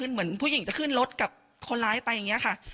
เหมือนผู้หญิงจะขึ้นรถกับคนร้ายไปอย่างนี้ค่ะ